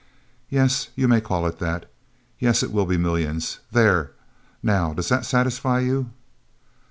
"Yes, you may call it that. Yes, it will be millions. There, now does that satisfy you?"